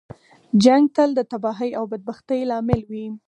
جنګ تل د تباهۍ او بدبختۍ لامل وي.